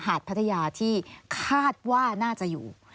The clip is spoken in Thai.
ดพัทยาที่คาดว่าน่าจะอยู่